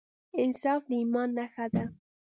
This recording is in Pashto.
انصاف د ایمان نښه ده.